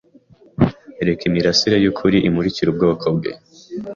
reka imirasire yukuri imurikire ubwonko bwe